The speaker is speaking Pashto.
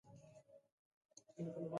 له ميخونو پر ډکې څوکی يو ځوان تړل شوی و.